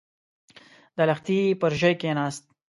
د لښتي پر ژۍکېناست.